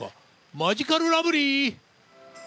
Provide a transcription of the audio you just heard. マヂカルラブリー。